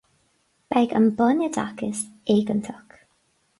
Beidh an bun-oideachas éigeantach.